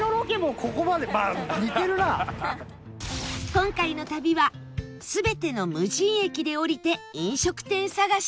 今回の旅は全ての無人駅で降りて飲食店探し